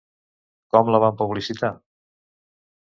Com la van publicitar?